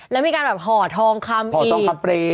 แล้วมีการแบบห่อทองคำอีก